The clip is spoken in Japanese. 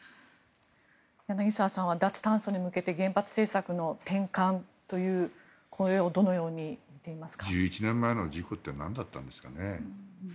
柳澤さんは脱炭素に向けて原発政策の転換という１１年前の事故ってなんだったんですかね。